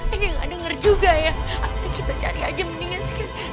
eh dia gak denger juga ya nanti kita cari aja mendingan sikit